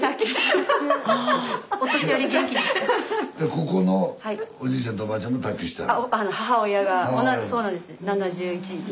ここのおじいちゃんとおばあちゃんと卓球してんの？